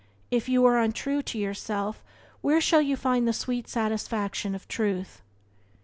If you are untrue to yourself where shall you find the sweet satisfaction of Truth?